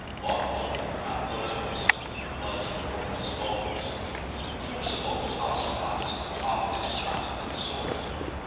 Logwood, not lotos, floods Oporto's bowls. Troops of old tosspots oft to sot consort.